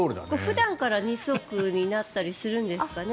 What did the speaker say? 普段から二足になったりするんですかね。